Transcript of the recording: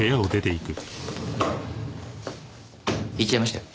行っちゃいましたよ。